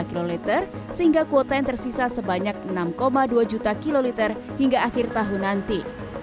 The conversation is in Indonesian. tiga km sehingga kuota yang tersisa sebanyak enam dua juta kiloliter hingga akhir tahun nanti